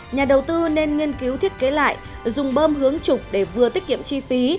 nhà đầu tư nên nghiên cứu thiết kế lại dùng bơm hướng trục để vừa tiết kiệm chi phí